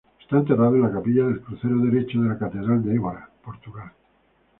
Está enterrado en la capilla del crucero derecho de la catedral de Évora, Portugal.